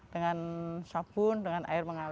dengan sabun dengan air mengalir